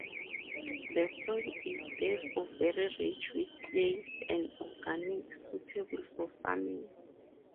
The soil is, therefore, very rich with clays and organics, suitable for farming.